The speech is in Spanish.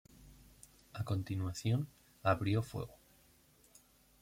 A continuación abrió fuego.